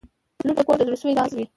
• لور د کور د زړسوي راز وي.